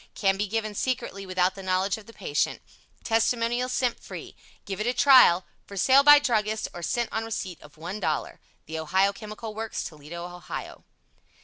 Can be given Secretly without the knowledge of the patient. Testimonials SENT FREE. Give it a Trial. For sale by Druggists, or sent on receipt of $1.00. THE OHIO CHEMICAL WORKS TOLEDO, OHIO.